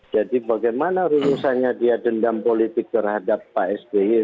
jadi bagaimana rungusannya dia dendam politik terhadap pak sdi